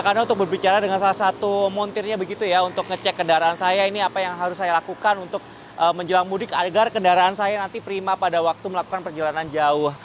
karena untuk berbicara dengan salah satu montirnya begitu ya untuk ngecek kendaraan saya ini apa yang harus saya lakukan untuk menjelang mudik agar kendaraan saya nanti prima pada waktu melakukan perjalanan jauh